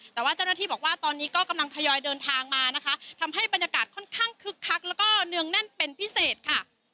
แต่ว่าเจ้าหน้าที่บอกว่าตอนนี้ก็กำลังทยอยเดินทางมานะคะทำให้บรรยากาศค่อนข้างคึกคักแล้วก็เนืองแน่นเป็นพิเศษค่ะ